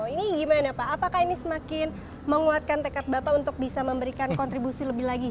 ini gimana pak apakah ini semakin menguatkan tekad bapak untuk bisa memberikan kontribusi lebih lagi